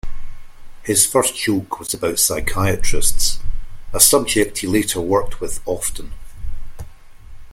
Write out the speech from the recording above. His first Joke was about psychiatrists, a subject he later worked with often.